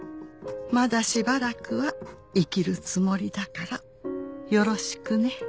「まだしばらくは生きるつもりだからよろしくね」